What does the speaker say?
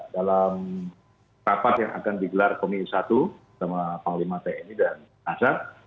dalam rapat yang akan digelar komisi satu sama panglima tni dan kasar